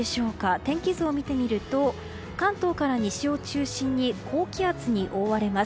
天気図を見てみると関東から西を中心に高気圧に覆われます。